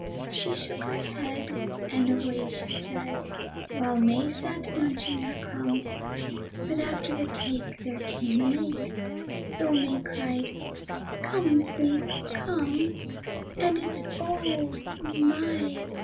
She shook her head and away she sped, While May sat munching her crumb. But after the cake there came an ache, Though May cried: "Come, Sleep, come, And it's oh! my!